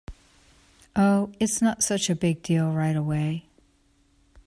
Oh, it’s not such a big deal right away.